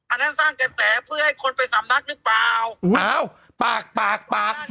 อันเรียงสร้างกระแสเพื่อให้คนไปสำนักนะครับ